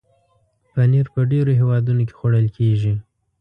پنېر په ډېرو هېوادونو کې خوړل کېږي.